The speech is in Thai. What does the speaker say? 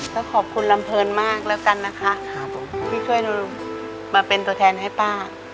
ก็ขอบคุณลำเพลินมากแล้วกันนะคะที่ช่วยหนูมาเป็นตัวแทนให้ป้า